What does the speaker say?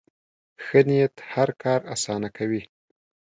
ښه نیت هر کار اسانه کوي.